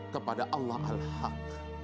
kepada allah al haq